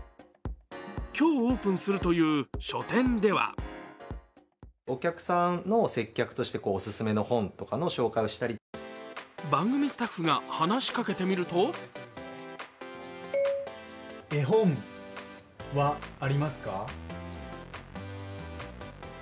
今日オープンするという書店では番組スタッフが話しかけてみると絵本はありますか。